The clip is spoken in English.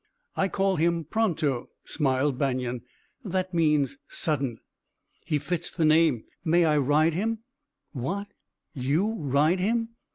"I call him Pronto," smiled Banion. "That means sudden." "He fits the name. May I ride him?" "What? You ride him?"